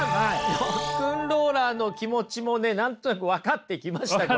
ロックンローラーの気持ちも何となく分かってきました。